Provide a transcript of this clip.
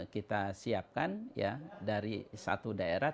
kita siapkan ya dari satu daerah